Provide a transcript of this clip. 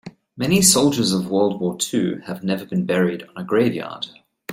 Many soldiers of world war two have never been buried on a grave yard.